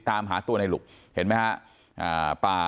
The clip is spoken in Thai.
ตามหาตัวในหลุกเห็นไหมฮะ